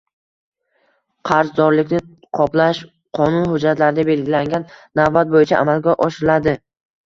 Qarzdorliklarni qoplash qonun hujjatlarida belgilangan navbat bo‘yicha amalga oshirilading